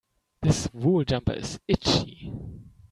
This wool jumper is itchy.